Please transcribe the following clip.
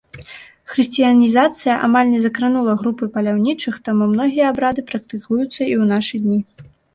Хрысціянізацыя амаль не закранула групы паляўнічых, таму многія абрады практыкуюцца і ў нашы дні.